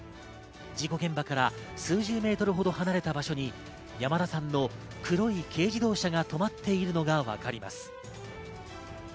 事故現場から数十メートルほど離れた場所に山田さんの黒い軽自動車が止まっているのがわかります。